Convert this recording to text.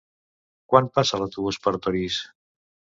Quan passa l'autobús per Torís?